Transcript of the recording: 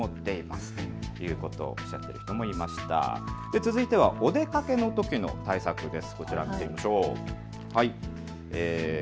続いてはお出かけのときの対策です。